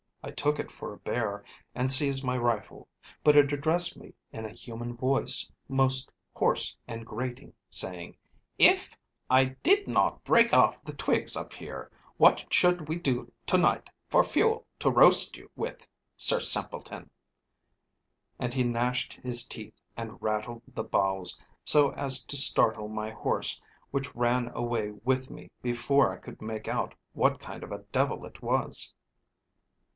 I took it for a bear, and seized my rifle; but it addressed me in a human voice, most hoarse and grating, saying: 'If I did not break off the twigs up here, what should we do to night for fuel to roast you with, Sir Simpleton?' And he gnashed his teeth, and rattled the boughs, so as to startle my horse, which ran away with me before I could make out what kind of a devil it was."